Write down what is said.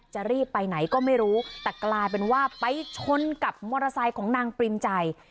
จะรีบไปไหนก็ไม่รู้แต่กลายเป็นว่าไปชนกับมอเตอร์ไซค์ของนางปริมใจ